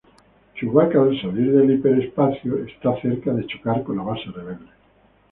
Chewbacca sale del hiperespacio estuvo cerca de chocar con la base rebelde.